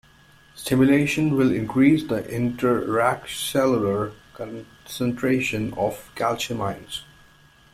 Stimulation will increase the intracellular concentration of calcium ions.